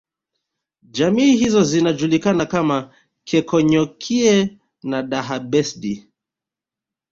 Jamii hizo zinajulikana kama Keekonyokie na Daha Besdi